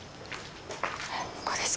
ここです